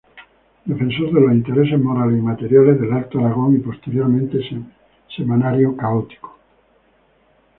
Defensor de los intereses morales y materiales del Alto Aragón" y posteriormente "Semanario católico".